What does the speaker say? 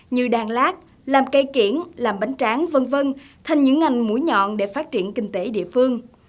như đàn lát làm cây kiển làm bánh tráng v v thành những ngành mũi nhọn để phát triển kinh tế địa phương